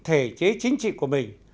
thể chế chính trị của mình